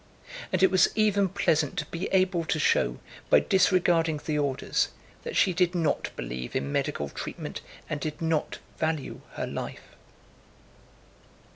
And it was even pleasant to be able to show, by disregarding the orders, that she did not believe in medical treatment and did not value her life.